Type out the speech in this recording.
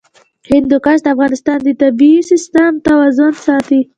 هندوکش د افغانستان د طبعي سیسټم توازن ساتي.